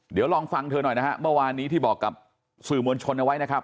เดี๋ยวลองฟังเธอหน่อยนะฮะเมื่อวานนี้ที่บอกกับสื่อมวลชนเอาไว้นะครับ